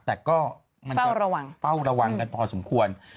แต่ก็มันก็เฝ้าระวังกันพอสมควร